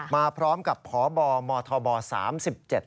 มาพร้อมกับพบมธบศ๓๗